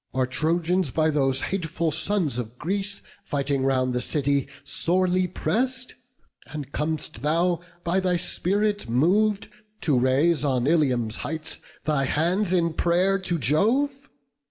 Are Trojans by those hateful sons of Greece, Fighting around the city, sorely press'd? And com'st thou, by thy spirit mov'd, to raise, On Ilium's heights, thy hands in pray'r to Jove?